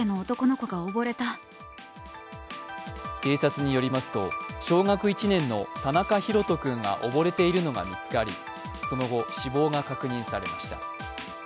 警察によりますと、小学１年の田中大翔君が溺れているのが見つかり、その後、死亡が確認されました。